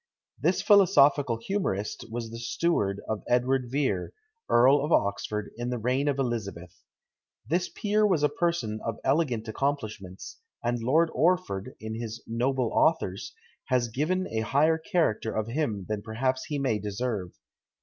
This philosophical humorist was the steward of Edward Vere, Earl of Oxford, in the reign of Elizabeth. This peer was a person of elegant accomplishments; and Lord Orford, in his "Noble Authors," has given a higher character of him than perhaps he may deserve.